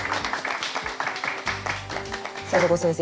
里子先生